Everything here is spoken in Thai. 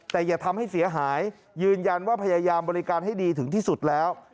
แต่อย่าทำให้เสียหายยืนยันว่าพยายามบริการให้ดีถึงที่สุดแล้ว